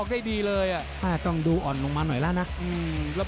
ติดตามยังน้อยกว่า